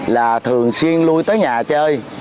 là thường xuyên lui tới nhà chơi